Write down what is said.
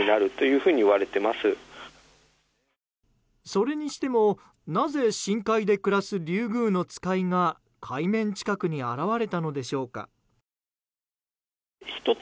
それにしてもなぜ深海で暮らすリュウグウノツカイが海面近くに現れたのでしょうか。